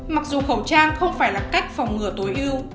mặc dù khẩu trang không phải là cách phòng ngừa tối ưu